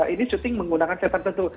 ini syuting menggunakan set tertentu